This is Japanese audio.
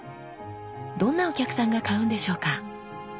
どんなお客さんが買うんでしょうか？